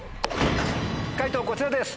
解答こちらです。